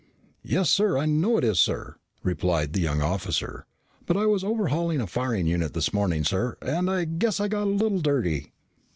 "Yes, sir, I know it is, sir," replied the young officer. "But I was overhauling a firing unit this morning, sir, and I guess I got a little dirty."